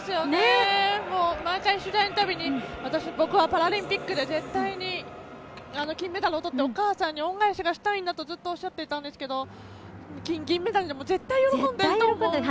毎回、取材のたびに僕はパラリンピックで絶対に金メダルをとってお母さんに恩返ししたいんだとずっとおっしゃっていたんですけど銀メダルでも絶対喜んでいると思います。